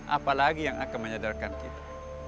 apalagi yang akan menyadarkan kita